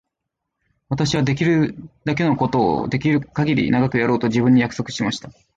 私はできるだけのことをできるかぎり長くやろうと自分に約束しました。